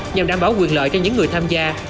nhằm đảm bảo quyền lợi cho những người tham gia